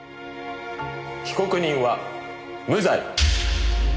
被告人は無罪。